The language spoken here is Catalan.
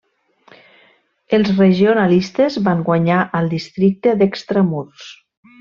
Els regionalistes van guanyar al districte d'Extramurs.